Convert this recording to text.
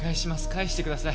返してください。